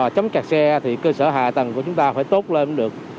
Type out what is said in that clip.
chấm cạt xe thì cơ sở hạ tầng của chúng ta phải tốt lên cũng được